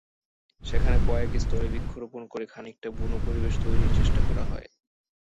সেখানে কয়েক স্তরে বৃক্ষরোপণ করে খানিকটা বুনো পরিবেশ তৈরির চেষ্টা করা হয়।